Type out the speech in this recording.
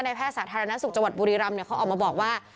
ในแพทย์สาธารณสุขจังหวัดบุรีรัมน์เนี่ยเขาออกมาบอกว่า